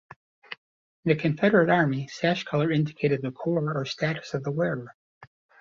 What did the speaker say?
In the Confederate Army, sash colour indicated the corps or status of the wearer.